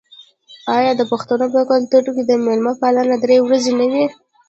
آیا د پښتنو په کلتور کې د میلمه پالنه درې ورځې نه وي؟